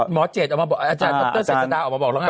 หมอเจ็ดออกมาบอกอาจารย์ศาสตร์ออกมาบอกแล้วไง